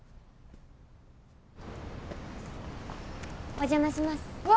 お邪魔します。わ！